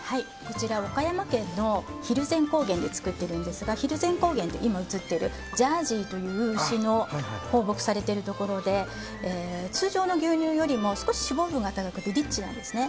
岡山県の蒜山高原で作っているんですが蒜山高原って今映ってるジャージーという牛が放牧されているところで通常の牛乳よりも少し脂肪分が高くてリッチなんです。